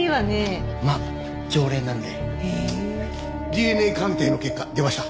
ＤＮＡ鑑定の結果出ました。